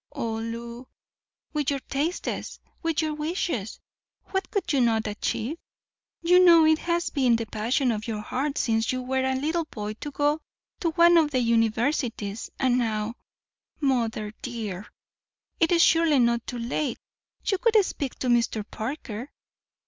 Oh, Lew, with your tastes, with your wishes, what could you not achieve? You know it has been the passion of your heart since you were a little boy to go to one of the universities, and now—— Mother, dear, it is surely not too late; you could speak to Mr. Parker.